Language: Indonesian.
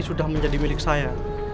sudah menjadi milik saya